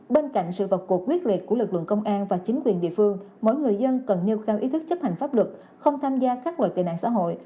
bên cạnh sự vật cuộc quyết liệt của lực lượng công an và chính quyền địa phương mỗi người dân cần nêu cao ý thức chấp hành pháp luật không tham gia các loại tệ nạn xã hội